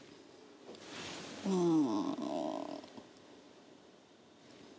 うん。